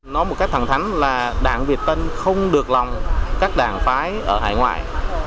nói một cách thẳng thắn là đảng việt tân không được lòng các đảng phái ở hải ngoại